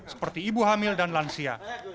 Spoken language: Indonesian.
seperti ibu hamil dan lansia